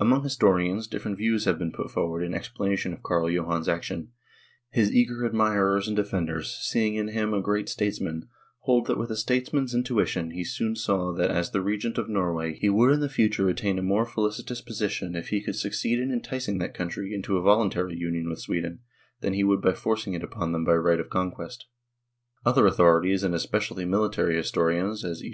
Among historians different views have been put forward in explanation of Carl Johan's action ; his eager admirers and defenders, seeing in him a great statesman, hold that with a statesman's intuition he soon saw that as the regent of Norway he would in the future attain a more felicitous posi tion if he could succeed in enticing that country into a voluntary union with Sweden, than he would by forcing it upon them by right of conquest. Other authorities and especially military historians, as e.